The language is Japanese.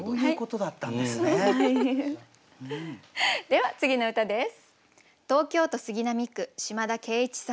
では次の歌です。